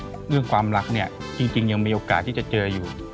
เรื่องความรักเนี่ยจริงยังมีโอกาสที่จะเจออยู่